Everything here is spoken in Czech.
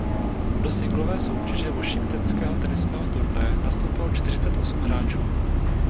Do singlové soutěže washingtonského tenisového turnaje nastoupilo čtyřicet osm hráčů.